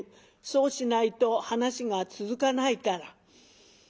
そうしないと噺が続かないから。